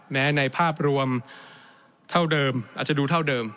ในภาพรวมเท่าเดิมอาจจะดูเท่าเดิม